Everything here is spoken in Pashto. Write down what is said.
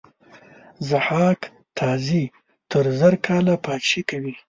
ضحاک تازي تر زر کاله پاچهي کوي.